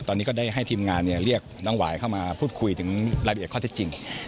ตอนนี้ก็ได้ให้ทีมงานเรียกน้องหวายเข้ามาพูดคุยถึงรายละเอียดข้อเท็จจริง